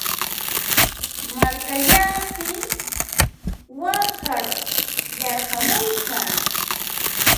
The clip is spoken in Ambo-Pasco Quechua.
Markallaapiq waqar yarqamurqaa.